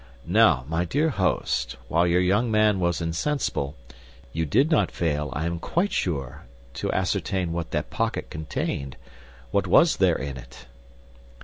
Now, my dear host, while your young man was insensible, you did not fail, I am quite sure, to ascertain what that pocket contained. What was there in it?"